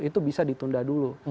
itu bisa ditunda dulu